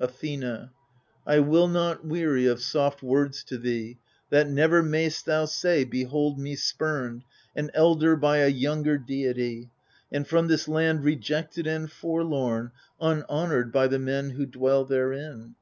• Athena I will not weary of soft words to thee. That never mayst thou say. Behold me spumed^ An elder by a younger deity ^ And from this land rejected and forlorn^ Unhonoured by the men who dwell therein.